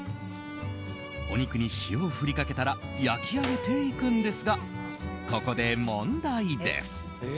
お肉に塩を振りかけたら焼き上げていくんですがここで問題です。